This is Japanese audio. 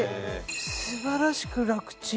素晴らしく楽ちん。